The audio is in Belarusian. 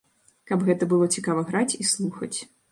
Каб гэта было цікава граць і слухаць.